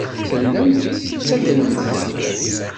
Tellamt tettadremt-d.